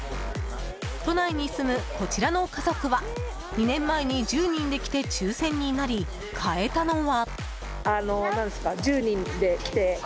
都内に住むこちらの家族は２年前に１０人で来て抽選になり買えたのは。